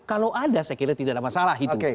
kalau ada saya kira tidak ada masalah itu